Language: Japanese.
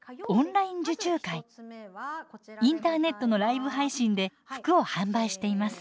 インターネットのライブ配信で服を販売しています。